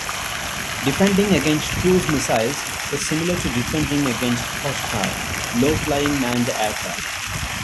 Defending against cruise missiles is similar to defending against hostile, low-flying manned aircraft.